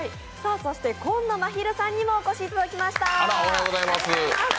紺野まひるさんにもお越しいただきました。